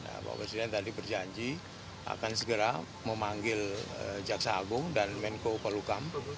bapak presiden tadi berjanji akan segera memanggil jaksa agung dan menko pelukam